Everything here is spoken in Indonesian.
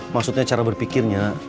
maksudnya cara berpikirnya